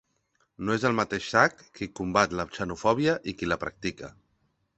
No és al mateix sac qui combat la xenofòbia i qui la practica.